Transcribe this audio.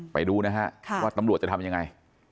ไปดูนะฮะว่าตำรวจจะทำยังไง